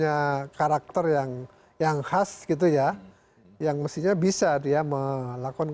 ya bu sri mulyani itu punya karakter yang khas gitu ya yang mestinya bisa dia melakukan